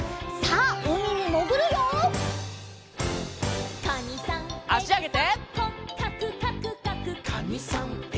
あしあげて。